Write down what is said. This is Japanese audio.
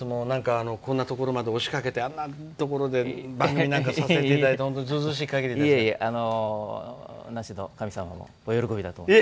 こんなところまで押しかけてあんなところで番組なんかさせていただいて那智の神様もお喜びだと。